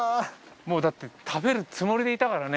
もうだって食べるつもりでいたからね。